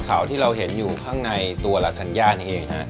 ขาวที่เราเห็นอยู่ข้างในตัวลาซันนี่เองนะครับ